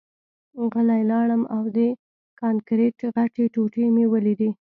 غلی لاړم او د کانکریټ غټې ټوټې مې ولیدې